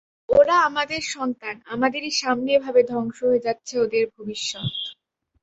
ওরা আমাদের সন্তান, আমাদেরই সামনে এভাবে ধ্বংস হয়ে যাচ্ছে ওদের ভবিষ্যৎ।